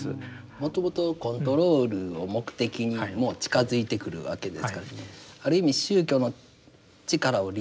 もともとコントロールを目的にもう近づいてくるわけですからある意味宗教の力を利用してるといいますか。